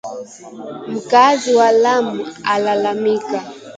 Mkaazi wa lamu alalamika